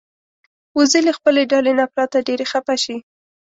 وزې له خپلې ډلې نه پرته ډېرې خپه شي